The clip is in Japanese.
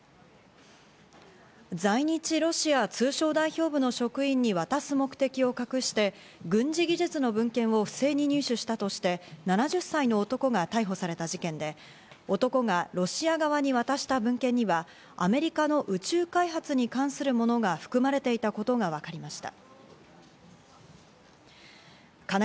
在日ロシア通商代表部の職員に渡す目的を隠して軍事技術の文献を不正に入手したとして７０歳の男が逮捕された事件で、男がロシア側に渡した文献にはアメリカの宇宙開発に関するものが含まれていたことがわかりました。